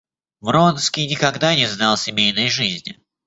Вронский никогда не знал семейной жизни.